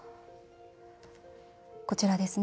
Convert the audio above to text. こちらですね。